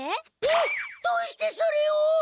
えっどうしてそれを！？